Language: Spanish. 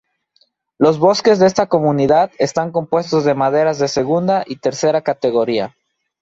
Los bosques de esta comunidad están compuestos de maderas de segunda y tercera categoría.